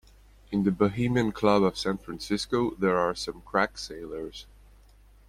In the Bohemian Club of San Francisco there are some crack sailors.